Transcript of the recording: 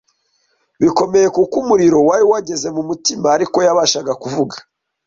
bikomeye kuko umuriro wari wageze ku mutima ariko we yabashaga kuvuga